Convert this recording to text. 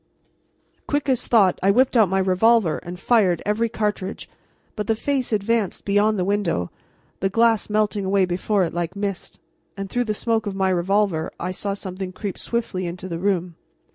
Quick as thought I whipped out my revolver and fired every cartridge, but the face advanced beyond the window, the glass melting away before it like mist, and through the smoke of my revolver I saw something creep swiftly into the room.